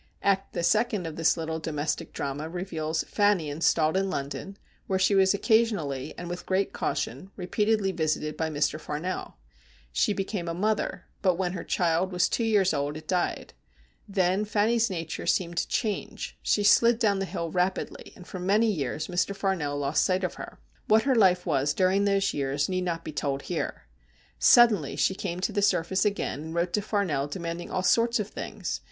Act the second of this little domestic drama reveals Fanny installed in London, where she was occasionally, and with great caution, repeatedly visited by Mr. Farnell. She became a mother, but when her child was two years old it died. Then Fanny's nature seemed to change. She slid down the hill rapidly, and for many years Mr. Farnell lost sight of her. What her life was during those years need not be told here. Suddenly she came to the surface again, and wrote to Farnell demanding all sorts of things.